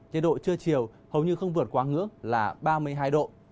nhiệt độ trưa chiều hầu như không vượt quá ngưỡng là ba mươi hai độ